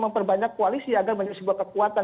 memperbanyak koalisi agar menjadi sebuah kekuatan